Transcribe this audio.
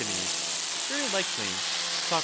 Very hkely. Soc.